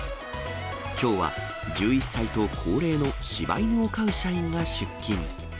きょうは１１歳と高齢のしば犬を飼う社員が出勤。